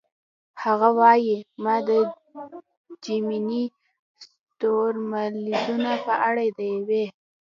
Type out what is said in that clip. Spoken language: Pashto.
هغه وايي: "ما د جیمیني ستورمزلو په اړه د یوې.